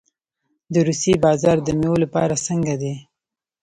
د روسیې بازار د میوو لپاره څنګه دی؟